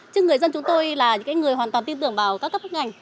chứ người dân chúng tôi là những người hoàn toàn tin tưởng vào các cấp các ngành